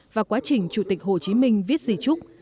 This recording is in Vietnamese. và quá trình chủ tịch hồ chí minh viết di trúc